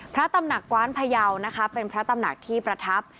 พระตำหนักกว้านพยาวนะคะเป็นพระตำหนักที่ประทับ